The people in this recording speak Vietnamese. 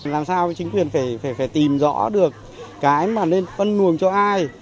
làm sao chính quyền phải tìm rõ được cái mà nên phân luồng cho ai